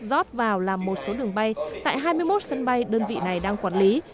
rót vào làm một số đường bay tại hai mươi một sân bay đơn vị này đang quản lý